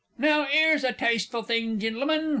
Now 'ere's a tasteful thing, Gentlemen.